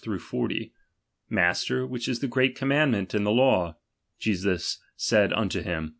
■^36 40 : Master, which is the great commandment '^'n the law ? Jesus said unto him.